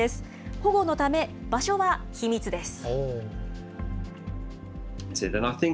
保護のため、場所は秘密です。